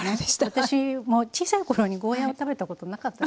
私も小さい頃にゴーヤーを食べたことなかった。